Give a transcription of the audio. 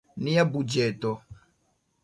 Nia budĝeto.